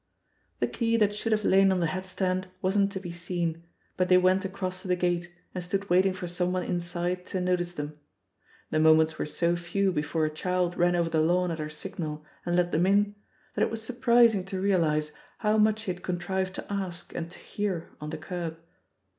The key that should have lain on the hatstand wasn't to be seen, but they went across to the gate and stood waiting for someone inside to notice them. The moments were so few before a child ran over the lawn at her signal and let them in, that it was surprising to realise how much he had contrived to ask and to hear on the kerb.